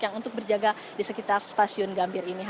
yang untuk berjaga di sekitar stasiun gambir ini